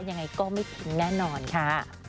ยังไงก็ไม่ทิ้งแน่นอนค่ะ